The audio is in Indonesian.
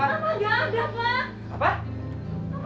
bapak gak ada bapak